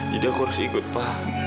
jadi aku harus ikut pak